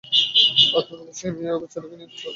আরে তাহলে সেই মেয়ে ওই বাচ্চাটাকে নিয়ে কী করবে?